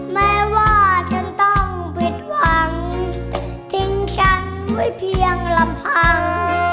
แม้ว่าฉันต้องผิดหวังทิ้งฉันไว้เพียงลำพัง